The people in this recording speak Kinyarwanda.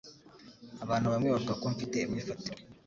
Abantu bamwe bavuga ko mfite imyifatire